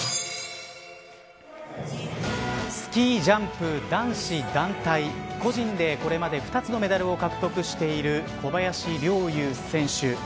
スキージャンプ男子団体ノーマルヒル個人で、これまで２つのメダルを獲得している小林陵侑選手